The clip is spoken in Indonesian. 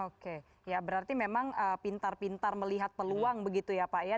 oke ya berarti memang pintar pintar melihat peluang begitu ya pak ya